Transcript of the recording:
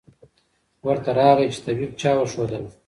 ورته راغی چي طبیب چا ورښودلی